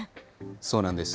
そうなんです。